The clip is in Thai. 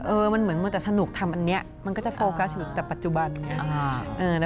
มันเหมือนมัวแต่สนุกทำอันนี้มันก็จะโฟกัสอยู่แต่ปัจจุบันไง